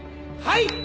はい。